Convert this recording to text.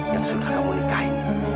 yang sudah kamu nikahi